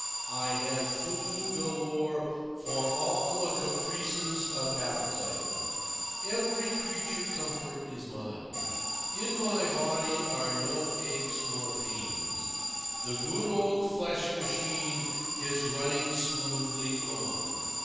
I have food galore for all the caprices of appetite. Every creature comfort is mine. In my body are no aches nor pains. The good old flesh machine is running smoothly on.